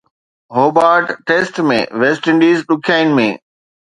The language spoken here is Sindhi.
هوبارٽ ٽيسٽ ۾ ويسٽ انڊيز ڏکيائين ۾